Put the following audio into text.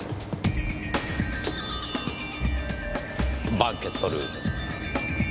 バンケットルーム。